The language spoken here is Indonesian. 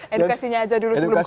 edukasinya aja dulu sebelum kita